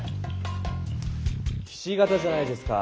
ひし形じゃないですか。